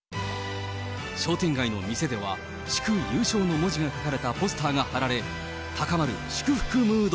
商店街の店では、祝優勝の文字が書かれたポスターが貼られ、高まる祝福ムード。